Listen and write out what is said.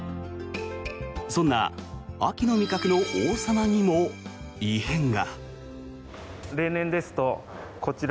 そんな秋の味覚の王様にも異変が。